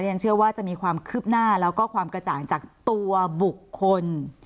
ฉันเชื่อว่าจะมีความคืบหน้าแล้วก็ความกระจ่างจากตัวบุคคล